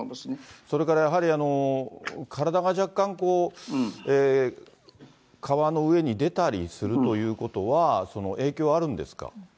それからやはり、体が若干、川の上に出たりするということは、影響あるんですか。